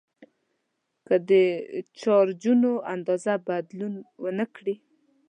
که د چارجونو اندازه بدلون ونه کړي.